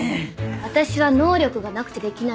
私は能力がなくてできないんです。